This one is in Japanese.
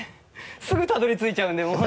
すぐたどり着いちゃうんでもう。